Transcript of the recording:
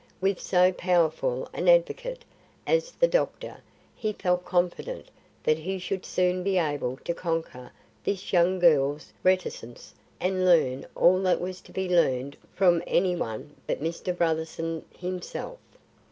With so powerful an advocate as the doctor, he felt confident that he should soon be able to conquer this young girl's reticence and learn all that was to be learned from any one but Mr. Brotherson himself.